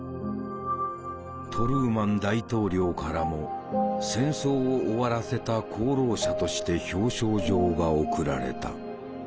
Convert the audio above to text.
トルーマン大統領からも戦争を終わらせた功労者として表彰状が送られた。